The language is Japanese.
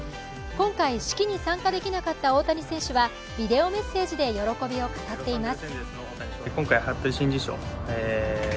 今回、式に参加できなかった大谷選手はビデオメッセージで喜びを語っています。